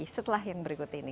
setelah yang berikut ini